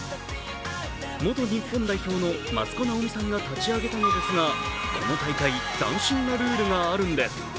元日本代表の益子直美さんが立ち上げたのですがこの大会、斬新なルールがあるんです。